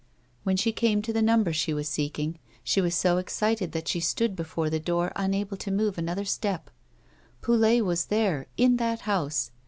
When she came to the number she was seeking, she was so excited that she stood before the door imable to move another step. Poulet was there, in that house